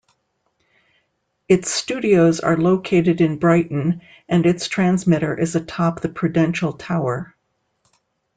Its studios are located in Brighton, and its transmitter is atop the Prudential Tower.